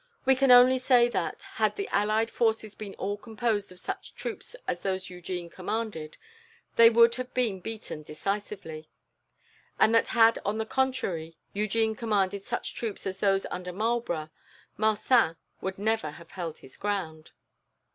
We can only say that, had the allied forces been all composed of such troops as those Eugene commanded, they would have been beaten decisively; and that had, on the contrary, Eugene commanded such troops as those under Marlborough, Marcin would never have held his ground."